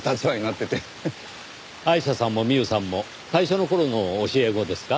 アイシャさんもミウさんも最初の頃の教え子ですか？